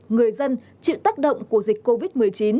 người dân chịu tác động của dịch covid một mươi chín